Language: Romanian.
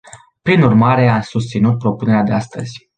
Prin urmare, am susținut propunerea de astăzi.